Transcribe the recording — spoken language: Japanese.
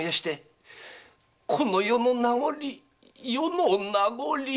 この世の名残世の名残。